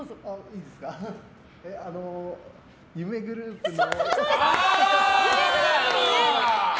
夢グループの。